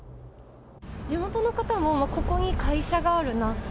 地元の方もここに会社があるなとか。